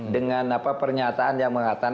dengan pernyataan yang mengatakan